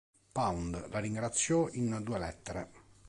Pound la ringraziò in due lettere.